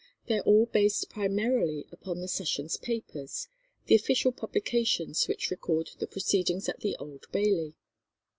They are all based primarily upon the sessions' papers, the official publications which record the proceedings at the Old Bailey.